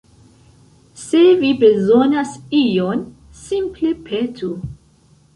Se vi bezonas ion, simple petu.